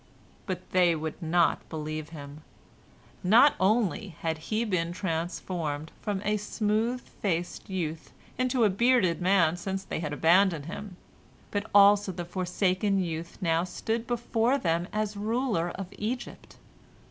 But they would not believe him. Not only had he been transformed from a smooth faced youth into a bearded man since they had abandoned him, but also the forsaken youth now stood before them the ruler of Egypt.